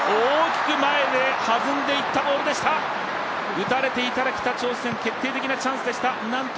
打たれていたら北朝鮮、決定的なチャンスでした。